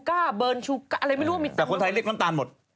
แต่คนไทยเรียกน้ำตาลหมด